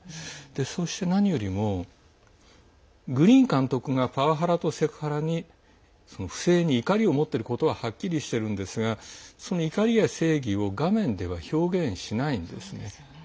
そして、何よりもグリーン監督がパワハラとセクハラに不正に怒りを持っていることははっきりしてるんですがその怒りや正義を画面では表現しないんですね。